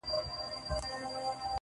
د پوهاند، خلکو درکړي لقبونه!!